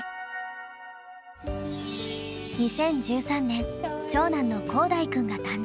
２０１３年長男の光大くんが誕生。